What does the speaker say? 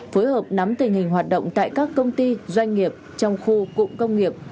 phối hợp nắm tình hình hoạt động tại các công ty doanh nghiệp trong khu cụm công nghiệp